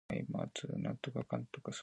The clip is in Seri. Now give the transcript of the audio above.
Ctam quih haxz quih ziix cöiyaahitim.